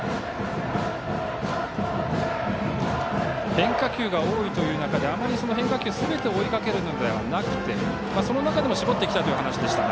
変化球が多いという中であまり変化球をすべて追いかけるのではなくてその中でも絞っていきたいという話でしたが。